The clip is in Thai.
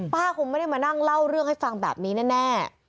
คงไม่ได้มานั่งเล่าเรื่องให้ฟังแบบนี้แน่